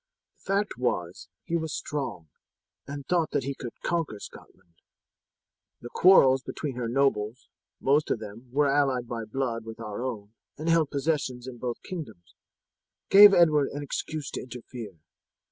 The fact was he was strong, and thought that he could conquer Scotland. The quarrels between her nobles most of them were allied by blood with our own and held possessions in both kingdoms gave Edward an excuse to interfere.